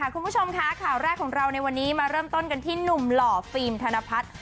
คุณผู้ชมค่ะข่าวแรกของเราในวันนี้มาเริ่มต้นกันที่หนุ่มหล่อฟิล์มธนพัฒน์